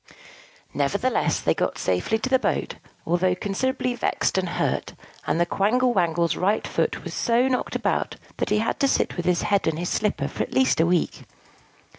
Nevertheless, they got safely to the boat, although considerably vexed and hurt; and the Quangle Wangle's right foot was so knocked about, that he had to sit with his head in his slipper for at least a week.